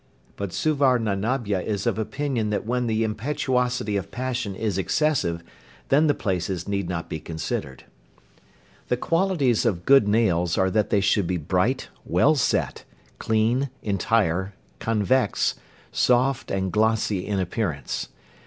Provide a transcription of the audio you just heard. But Suvarnanabha is of opinion that when the impetuosity of passion is excessive, then the places need not be considered. The qualities of good nails are that they should be bright, well set, clean, entire, convex, soft, and glossy in appearance.